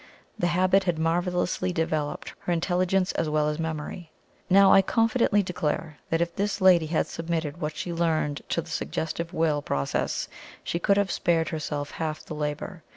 The habit had marvelously developed her intelligence as well as memory. Now I confidently declare that if this lady had submitted what she learned to the suggestive will process she could have spared herself half the labor.